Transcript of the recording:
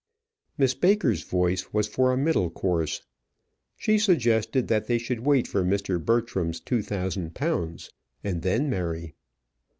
Miss Baker's voice was for a middle course. She suggested that they should wait for Mr. Bertram's two thousand pounds and then marry.